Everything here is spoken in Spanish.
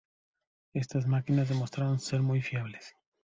Estas máquinas demostraron ser muy fiables.